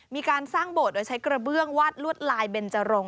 มีการสร้างโบสถ์โดยใช้กระเบื้องวาดลวดลายเบนจรง